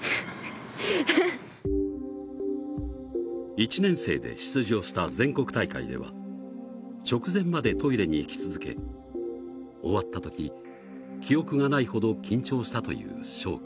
１年生で出場した全国大会では直前までトイレに行き続け終わった時、記憶がないほど緊張したという、しょう君。